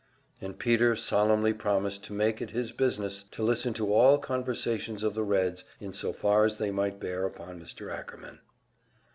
And Peter solemnly promised to make it his business to listen to all conversations of the Reds in so far as they might bear upon Mr. Ackerman.